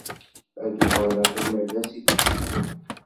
Ad d-uɣaleɣ imalas i d-itteddun.